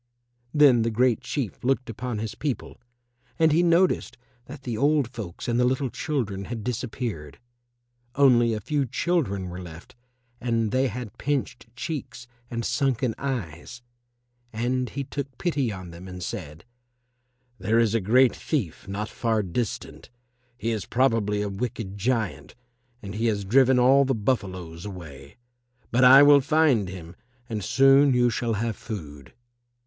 Then the Great Chief looked upon his people and he noticed that the old folks and the little children had disappeared; only a few children were left and they had pinched cheeks and sunken eyes. And he took pity on them and said, "There is a great thief not far distant. He is probably a wicked giant, and he has driven all the buffaloes away. But I will find him and soon you shall have food."